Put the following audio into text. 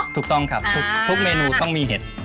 ถูกต้องครับทุกเมนูต้องมีเห็ด